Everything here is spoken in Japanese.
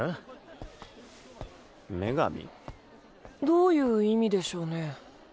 どういう意味でしょうね。